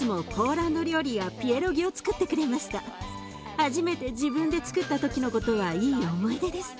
初めて自分でつくった時のことはいい思い出です。